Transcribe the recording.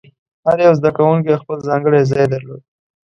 هر یو زده کوونکی خپل ځانګړی ځای درلود.